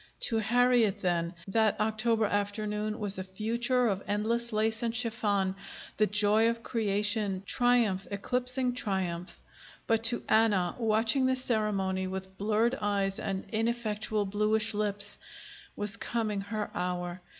To Harriet, then, that October afternoon was a future of endless lace and chiffon, the joy of creation, triumph eclipsing triumph. But to Anna, watching the ceremony with blurred eyes and ineffectual bluish lips, was coming her hour.